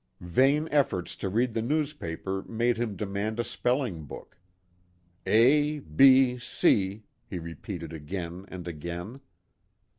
Vain efforts to read the newspaper made him demand a spelling book " A, B, C," he re peated again and again.